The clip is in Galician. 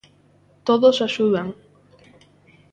Todos axudan.